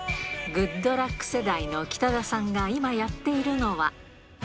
グッドラック世代の北田さんが今やっているのは。